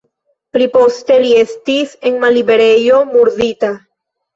Pli poste li estis en malliberejo murdita.